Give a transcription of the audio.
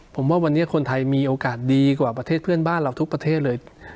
ผมว่าวันนี้คนไทยมีโอกาสดีกว่าประเทศเพื่อนบ้านเราทุกประเทศเลย